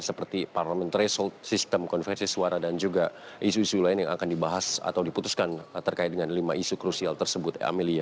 seperti parliamentary sold sistem konversi suara dan juga isu isu lain yang akan dibahas atau diputuskan terkait dengan lima isu krusial tersebut amelia